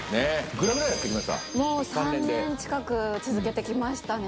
もう３年近く続けてきましたね。